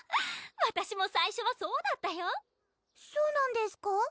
わたしも最初はそうだったよそうなんですか？